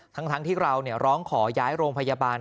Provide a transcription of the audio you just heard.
ทั้งที่เราร้องขอย้ายโรงพยาบาล